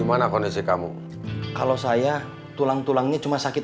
entah apa my hasal nanti